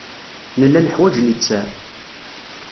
Nella neḥwaj littseɛ.